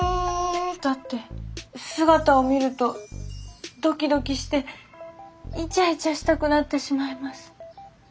だって姿を見るとドキドキしてイチャイチャしたくなってしまいます。